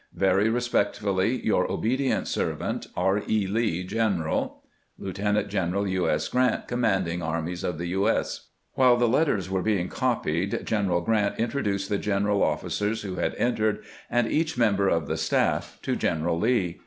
Very respectfully, your obedient servant, R. E. Lee, General. LlEUTENANT GENBRAIi U. S. GrANT, Commanding Armies of U. S. While the letters were being copied, General Grant introduced the general officers wlio had entered, and each member of the staff, to General Lee.